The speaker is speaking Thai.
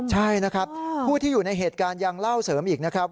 ใช่นะครับผู้ที่อยู่ในเหตุการณ์ยังเล่าเสริมอีกนะครับ